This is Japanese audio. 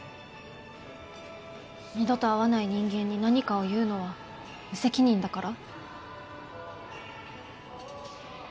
二度と会わない人間に何かを言うのは無責任だから？